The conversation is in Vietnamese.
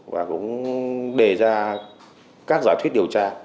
và cũng đề ra các giải thuyết điều tra